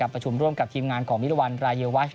ประชุมร่วมกับทีมงานของมิรวรรณรายวัช